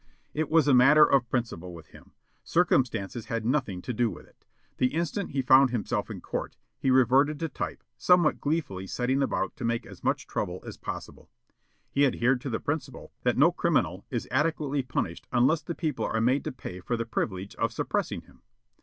It was a matter of principle with him. Circumstances had nothing to do with it. The instant he found himself in court, he reverted to type, somewhat gleefully setting about to make as much trouble as possible. He adhered to the principle that no criminal is adequately punished unless the people are made to pay for the privilege of suppressing him.